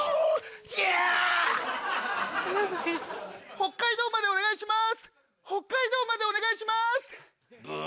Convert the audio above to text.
北海道までお願いします！